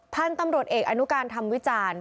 ท่านตำรวจเอกอนุการธรรมวิจารณ์